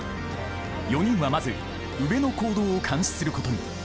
４人はまず宇部の行動を監視することに。